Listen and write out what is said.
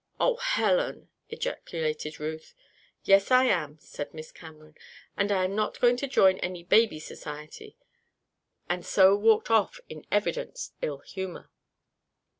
"Oh, Helen!" ejaculated Ruth. "Yes, I am," said Miss Cameron. "And I am not going to join any baby society," and so walked off in evident ill humor.